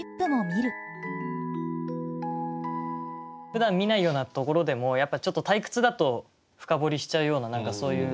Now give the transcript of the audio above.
ふだん見ないようなところでもやっぱちょっと退屈だと深掘りしちゃうような何かそういう。